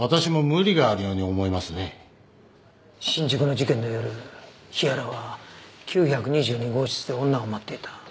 新宿の事件の夜日原は９２２号室で女を待っていた。